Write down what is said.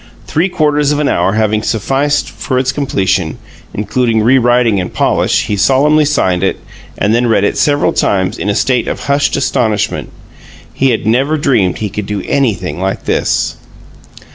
Three quarters of an hour having sufficed for its completion, including "rewriting and polish," he solemnly signed it, and then read it several times in a state of hushed astonishment. He had never dreamed that he could do anything like this.